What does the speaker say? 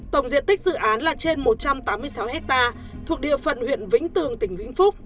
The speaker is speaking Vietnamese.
tổng diện tích dự án là trên một trăm tám mươi sáu hectare